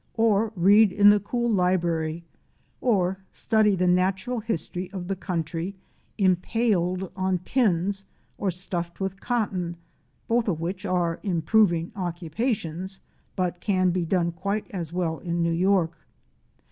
or read in the cool library, or study the natural history of the country impaled on pins or stuffed with cotton (both of which are improving occupations but can be done quite as well in New York).